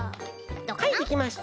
はいできました。